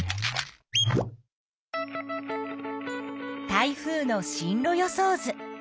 台風の進路予想図。